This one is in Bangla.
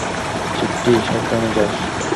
চিট্টি, সাবধানে যাস।